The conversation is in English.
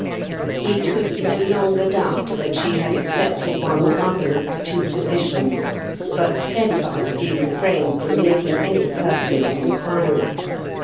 He could no longer doubt that she had accepted one or other of the two positions; but steadfastly refrained from making any personal inquiry.